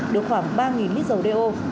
được khoảng ba lít dầu đeo